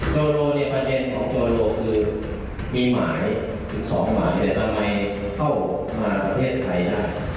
โจโรประเทศของโจโรคือมีหมาย๑๒หมายทำไมเข้ามาประเทศไทยได้